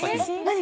何？